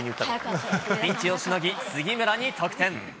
ピンチをしのぎ、杉村に得点。